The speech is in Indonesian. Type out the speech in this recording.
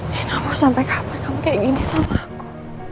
nino mau sampai kapan kamu kayak gini sama aku